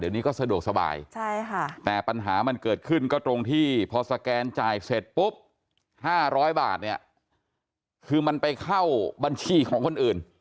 เดี๋ยวนี้ก็สะดวกสบายแต่ปัญหามันเกิดขึ้นก็ตรงที่พอสแกนจ่ายเสร็จปุ๊บ๕๐๐บาทเนี่ยคือมันไปเข้าบัญชีของคนอื่น